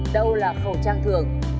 đâu là khẩu trang thường